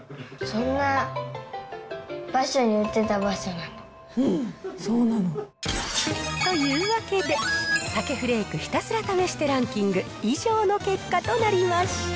そんな場所に売ってた場所なの？というわけで、鮭フレークひたすら試してランキング、以上の結果となりました。